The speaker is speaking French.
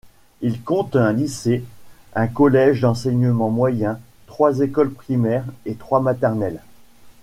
Il compte un lycée, un collège d'enseignement moyen, trois écoles primaires et trois maternelles.